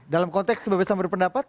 dalam konteks kebebasan berpendapat